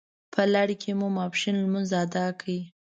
په لړ کې مو ماپښین لمونځ اداء کړ.